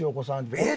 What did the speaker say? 「えっ！？」